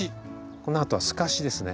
このあとはすかしですね。